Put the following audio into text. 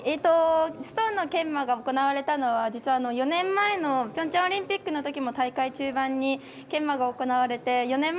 ストーンの研磨が行われたのは実は、４年前のピョンチャンオリンピックでも大会中盤に研磨が行われて。